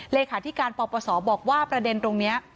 เลขาที่การปรบประสอบบอกว่าประเด็นตรงนี้